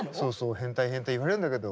変態変態言われるんだけど。